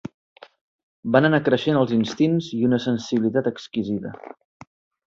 Van anar creixent els instints i una sensibilitat exquisida